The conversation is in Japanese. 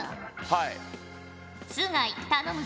はい。